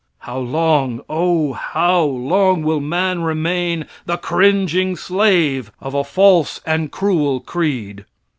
How long, O how long will man remain the cringing slave of a false and cruel creed.